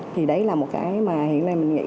thì đấy là một cái mà hiện nay mình nghĩ